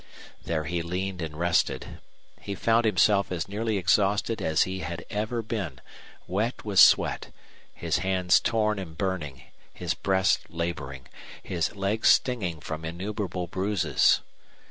There he leaned and rested. He found himself as nearly exhausted as he had ever been, wet with sweat, his hands torn and burning, his breast laboring, his legs stinging from innumerable bruises.